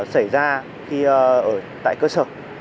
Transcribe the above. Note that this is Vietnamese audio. xảy ra khi ở tại cơ sở